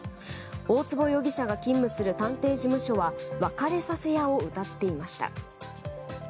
大坪容疑者が勤務する探偵事務所は別れさせ屋をうたっていました。